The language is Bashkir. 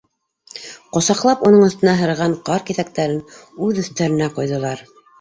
Ҡосаҡлап, уның өҫтөнә һырыған ҡар киҫәктәрен үҙ өҫтәренә ҡойҙолар.